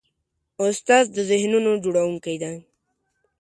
استاد د ذهنونو جوړوونکی دی.